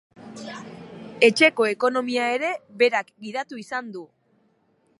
Etxeko ekonomia ere berak gidatu izan du.